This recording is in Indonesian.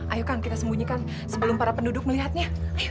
ayo kang kita sembunyikan sebelum para penduduk melihatnya